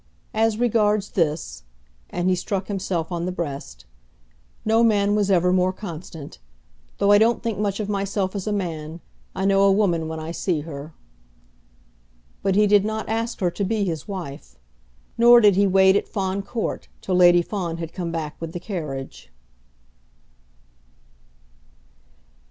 As regards this," and he struck himself on the breast, "no man was ever more constant. Though I don't think much of myself as a man, I know a woman when I see her." But he did not ask her to be his wife; nor did he wait at Fawn Court till Lady Fawn had come back with the carriage.